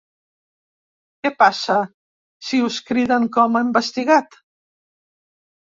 Què passa si us criden com a investigat?